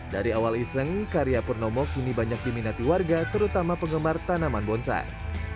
dari awal iseng karya purnomo kini banyak diminati warga terutama penggemar tanaman bonsai